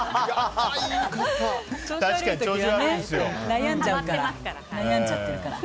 悩んじゃってるから。